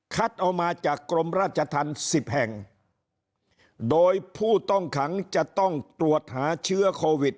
เอามาจากกรมราชธรรมสิบแห่งโดยผู้ต้องขังจะต้องตรวจหาเชื้อโควิด